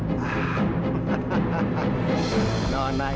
nona ini semua salah faham